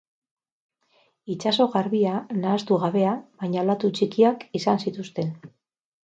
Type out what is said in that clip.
Itsaso garbia, nahastu gabea, baina olatu txikiak izan zituzten.